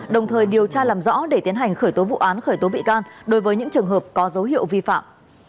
đồng thời điều tra làm rõ để tiến hành khởi tố vụ án khởi tố bị can đối với những trường hợp có dấu hiệu vi phạm